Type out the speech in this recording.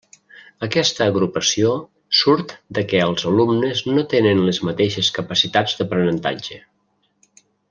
Aquesta agrupació surt de què els alumnes no tenen les mateixes capacitats d'aprenentatge.